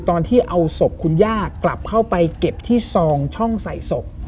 ตอนที่เอาศพคุณย่ากลับเข้าไปเก็บที่ซองช่องใส่ศพ